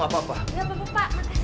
gak apa apa pak makasih